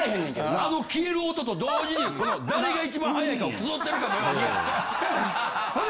あの消える音と同時にこの誰が一番速いかを競ってるかのように。